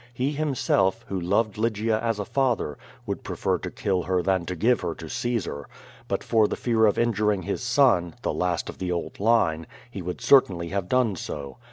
lie himself, who loved Lygia as a father, would l)refer to kill her than to give her to Caesar; and but for the fear of injuring his son (the last of the old line) he would certainly have done so.